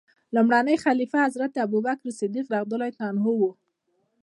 لومړنی خلیفه حضرت ابوبکر صدیق رض و.